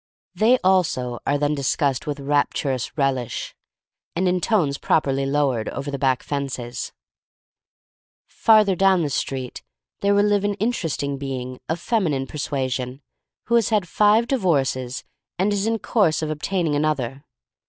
They also are then discussed with rapturous relish and in tones properly lowered, over the back fences. Farther down the street there will live an interesting being of femi nine persuasion who has had five divorces and is in course of obtaining another.